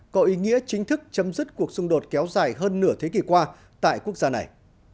có ý nghĩa chính thức chấm dứt cuộc xung đột kéo dài hơn nửa thế kỷ qua tại quốc gia này